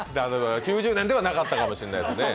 ９０年ではなかったかもしれないですね。